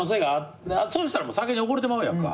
そしたら酒に溺れてまうやんか。